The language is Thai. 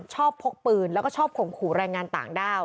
พกปืนแล้วก็ชอบข่มขู่แรงงานต่างด้าว